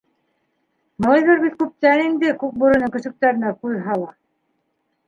Малайҙар бит күптән инде Күкбүренең көсөктәренә күҙ һала.